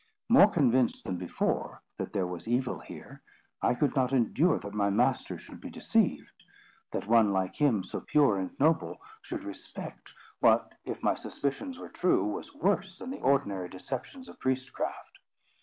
More convinced than before, that there was evil here, I could not endure that my master should be deceived; that one like him, so pure and noble, should respect what, if my suspicions were true, was worse than the ordinary deceptions of priestcraft.